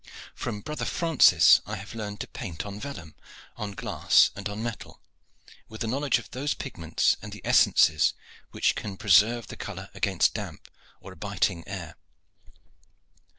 From brother Francis I have learned to paint on vellum, on glass, and on metal, with a knowledge of those pigments and essences which can preserve the color against damp or a biting air.